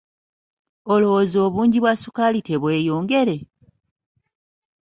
Olowooza obungi bwa ssukaali tebweyongere?